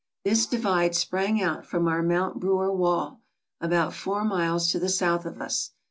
This divide sprang out from our Mount Brewer wall, about four miles to the south of us.